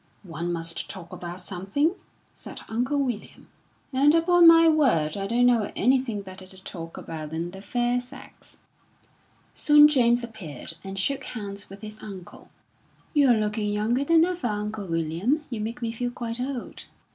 "One must talk about something," said Uncle William. "And upon my word, I don't know anything better to talk about than the fair sex." Soon James appeared, and shook hands with his uncle. "You're looking younger than ever, Uncle William. You make me feel quite old."